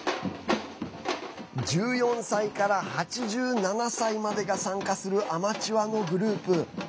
１４歳から８７歳までが参加するアマチュアのグループ。